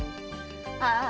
ああ。